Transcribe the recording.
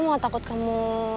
pergi gak kamu